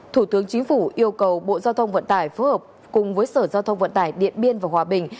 thủ tướng chính phủ yêu cầu bộ giao thông vận tải phối hợp cùng với sở giao thông vận tải điện biên và hòa bình